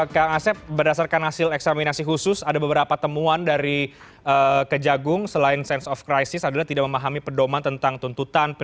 kang asep berdasarkan hasil eksaminasi khusus ada beberapa temuan dari kejagung selain sense of crisis adalah tidak memahami pedoman tentang tuntutan